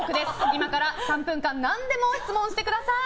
今から３分間何でも質問してください。